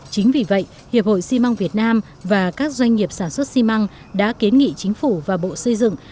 chính vì vậy hiệp hội xi măng việt nam và các doanh nghiệp sản xuất xi măng đã kiến nghị chính phủ và bộ xây dựng